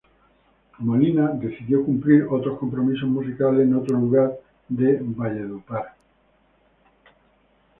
Molina decidió cumplir otros compromisos musicales en otro lugar de Valledupar.